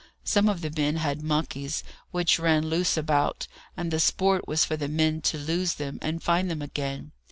Some of the men had monkeys, which ran loose about, and the sport was for the men to lose them, and find them again.